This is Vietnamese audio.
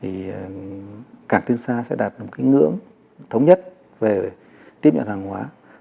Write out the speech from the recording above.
thì cảng tiên sa sẽ đạt một cái ngưỡng thống nhất về tiếp nhận hàng hóa